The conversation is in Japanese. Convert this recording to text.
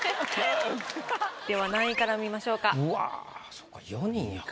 では何位から見ましょうか？